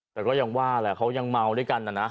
แต่ก็ยังว่าแหละเขายังเมาด้วยกันนะนะ